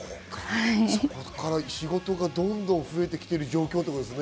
そこから仕事が増えてきている状況ですね。